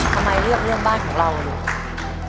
ทำไมเลือกเรื่องบ้านของเราลูก